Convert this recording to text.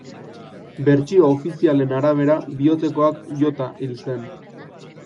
Bertsio ofizialaren arabera bihotzekoak jota hil zen.